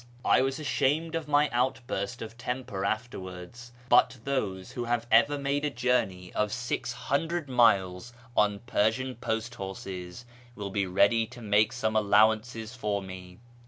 I was ashamed of my outburst of temper afterwards, but those who have ever made a journey of COO miles on Persian post horses will be ready to make some allowances for me.